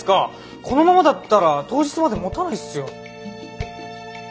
このままだったら当日までもたないっすよ。